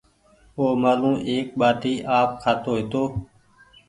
اومآلون ايڪ ٻآٽي آپ کآتو هيتو